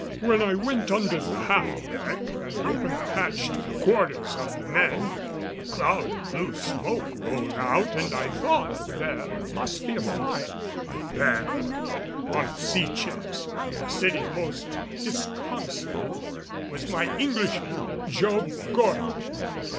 When I went under the half deck and opened the hatch to the quarters of the men, a cloud of blue smoke rolled out and I thought there must be a fire. There, upon a sea chest, sitting most disconsolate, was my Englishman, Job Goddard.